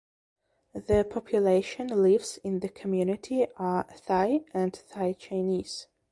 The population lives in the community are Thai and Thai Chinese.